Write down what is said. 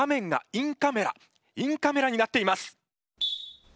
インカメラになっています。